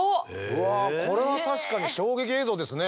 うわこれは確かに衝撃映像ですね。